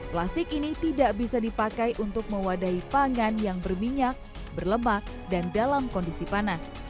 plastik ini tidak bisa dipakai untuk mewadahi pangan yang berminyak berlemak dan dalam kondisi panas